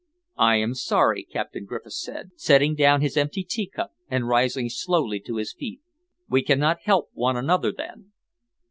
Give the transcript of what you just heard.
"I am sorry," Captain Griffiths said, setting down his empty teacup and rising slowly to his feet. "We cannot help one another, then."